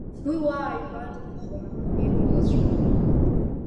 Уи уа ааигәа дынхон, еигәылацәан.